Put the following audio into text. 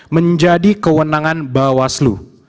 menjadi kewenangan bawah seluh